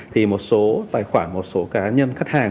thì một số tài khoản một số cá nhân khách hàng